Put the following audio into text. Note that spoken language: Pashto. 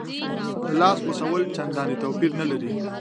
د لاس غوڅول چندانې توپیر نه لري.